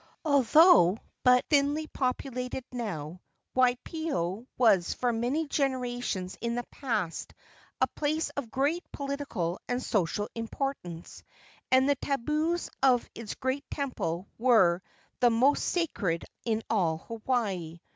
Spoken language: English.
Although but thinly populated now, Waipio was for many generations in the past a place of great political and social importance, and the tabus of its great temple were the most sacred in all Hawaii.